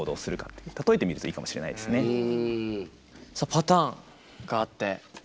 パターンがあって。